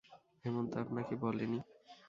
হেমন্ত আপনাকে বলেনি?